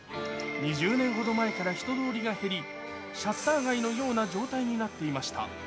２０年ほど前から人通りが減り、シャッター街のような状態になっていました。